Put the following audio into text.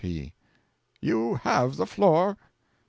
P. 'You have the floor.'